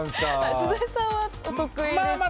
鈴井さんはお得意ですか？